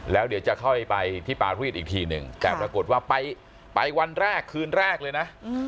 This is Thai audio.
แล้วเดี๋ยวจะค่อยไปที่ปารีสอีกทีหนึ่งแต่ปรากฏว่าไปวันแรกคืนแรกเลยนะ